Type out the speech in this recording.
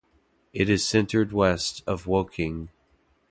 It is centred west of Woking.